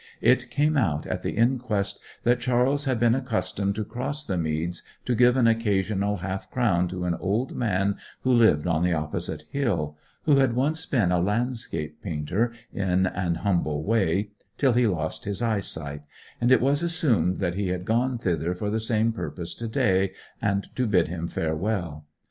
It came out at the inquest that Charles had been accustomed to cross the meads to give an occasional half crown to an old man who lived on the opposite hill, who had once been a landscape painter in an humble way till he lost his eyesight; and it was assumed that he had gone thither for the same purpose to day, and to bid him farewell.